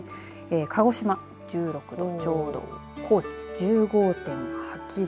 鹿児島１６度ちょうど高知１５．８度